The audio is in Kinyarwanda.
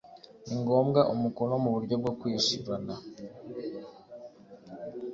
ni ngombwa umukono mu buryo bwo kwishyurana